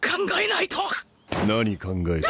何考えてる？